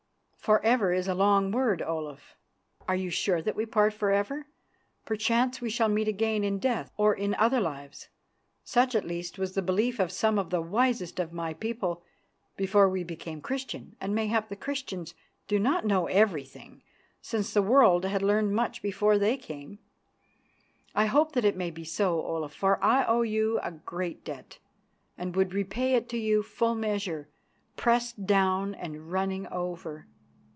"For ever is a long word, Olaf. Are you sure that we part for ever? Perchance we shall meet again in death or in other lives. Such, at least, was the belief of some of the wisest of my people before we became Christian, and mayhap the Christians do not know everything, since the world had learnt much before they came. I hope that it may be so, Olaf, for I owe you a great debt and would repay it to you full measure, pressed down and running over.